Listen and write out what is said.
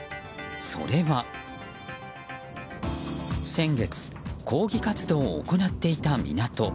それは、先月抗議活動を行っていた港。